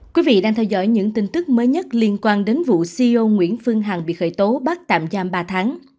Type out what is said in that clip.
các bạn đang theo dõi những tin tức mới nhất liên quan đến vụ ceo nguyễn phương hằng bị khởi tố bắt tạm giam ba tháng